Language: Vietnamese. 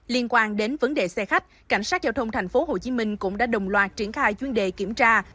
liên quan đến vấn đề xe khách cảnh sát giao thông tp hcm cũng đã đồng loạt triển khai chuyên đề kiểm tra